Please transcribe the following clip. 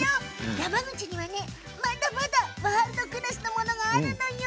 山口にはまだまだワールドクラスなものがあるのよ。